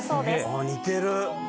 あっ似てる。